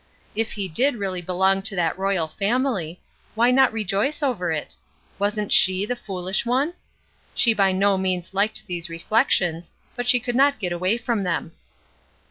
If he did really belong to that "royal family," why not rejoice over it? Wasn't she the foolish one? She by no means liked these reflections, but she could not get away from them.